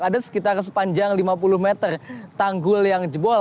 ada sekitar sepanjang lima puluh meter tanggul yang jebol